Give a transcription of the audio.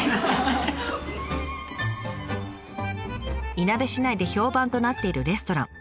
いなべ市内で評判となっているレストラン。